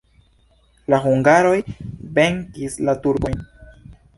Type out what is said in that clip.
La hungaroj venkis la turkojn.